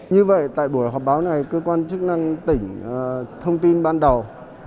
như vậy tại buổi họp báo này cơ quan chức năng tỉnh thông tin ban đầu